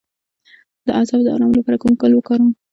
د اعصابو د ارام لپاره کوم ګل وکاروم؟